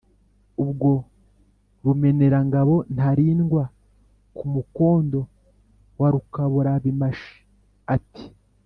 Ubwo “ Rumenerangabo Ntarindwa ku mukondo wa Rukaburabimashi” ati: